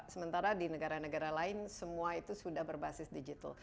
sementara di negara negara lain semua itu sudah berbasis digital